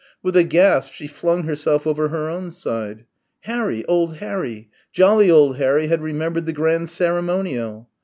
With a gasp she flung herself over her own side. Harry, old Harry, jolly old Harry had remembered the Grand Ceremonial.